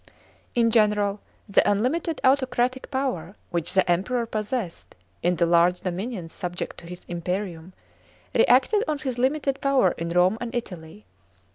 In general, the unlimited autocratic power which the Emperor possessed in the large dominions subject to his iniperium, reacted on his limited power in Rome and Italy.